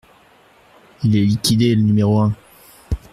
Il est liquidé, le numéro un.